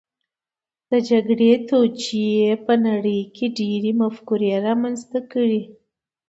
د جګړې توجیې په نړۍ کې ډېرې مفکورې رامنځته کړې